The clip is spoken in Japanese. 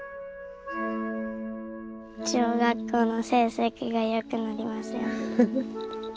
小学校の成績が良くなりますように。